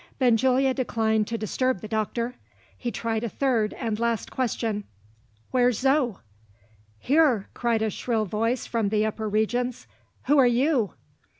Benjulia declined to disturb the doctor. He tried a third, and last question. "Where's Zo?" "Here!" cried a shrill voice from the upper regions. "Who are You?"